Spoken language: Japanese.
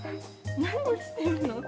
何してんの？